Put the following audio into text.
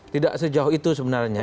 tidak sejauh itu sebenarnya